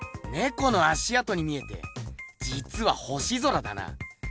この足あとに見えてじつは星空だな。